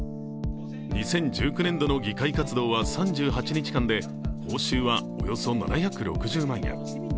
２０１９年度の議会活動は３８日間で報酬はおよそ７６０万円。